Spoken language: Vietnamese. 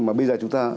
mà bây giờ chúng ta